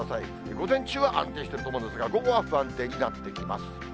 午前中は安定してると思うんですが、午後は不安定になってきます。